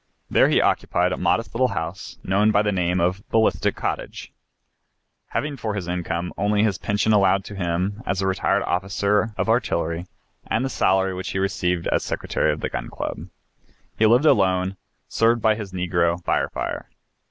There he occupied a modest little house known by the name of "Ballistic Cottage," having for his income only his pension allowed to him as a retired officer of artillery and the salary which he received as Secretary of the Gun Club. He lived alone, served by his Negro "Fire Fire."